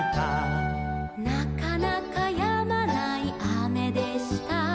「なかなかやまないあめでした」